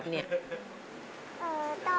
ไม่เคยลืมคำคนลำลูกกา